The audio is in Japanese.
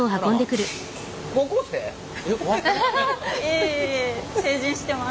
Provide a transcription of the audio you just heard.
いえいえ成人してます。